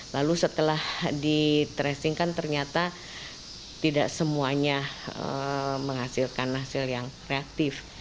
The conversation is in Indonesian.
lalu setelah di tracing kan ternyata tidak semuanya menghasilkan hasil yang reaktif